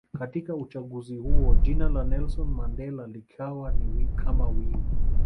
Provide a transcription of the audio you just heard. Katika uchaguzi huo jina la Nelson Mandela likawa ni kama wimbo